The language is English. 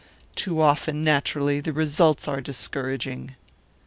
Too often, naturally, the results are discouraging."